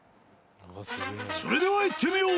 それでは行ってみよう！